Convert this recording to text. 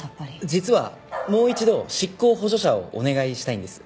実はもう一度執行補助者をお願いしたいんです。